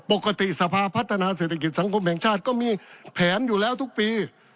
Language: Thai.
ปกติสภาพัฒนาเศรษฐกิจสังคมแห่งชาติก็มีแผนอยู่แล้วทุกปี